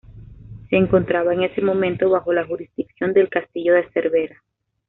Se encontraba en ese momento bajo la jurisdicción del castillo de Cervera.